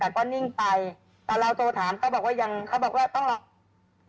แต่ก็นิ่งไปแต่เราโทรถามเขาบอกว่ายังเขาบอกว่าต้องลอง